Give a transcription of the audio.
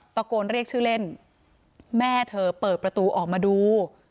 ตะโกนเรียกชื่อเล่นแม่เธอเปิดประตูออกมาดู